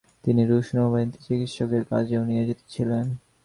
তিনি রুশ নৌবাহিনীতে চিকিৎসকের কাজেও নিয়োজিত ছিলেন।